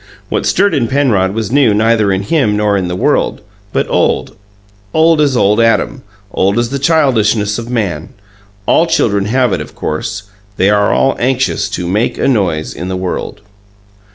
What stirred in Penrod was new neither in him nor in the world, but old old as old Adam, old as the childishness of man. All children have it, of course: they are all anxious to Make a Noise in the World.